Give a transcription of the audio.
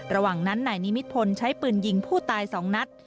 ระหว่างนั้นนายนิมิตพลใช้ปืนยิงผู้ตาย๒นัด